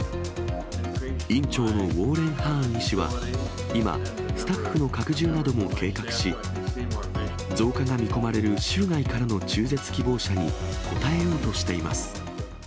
院長のウォーレン・ハーン医師は、今、スタッフの拡充なども計画し、増加が見込まれる州外からの中絶希望者に、応えようとしています。